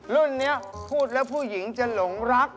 รุ่นนี้พูดแล้วผู้หญิงจะหลงรัก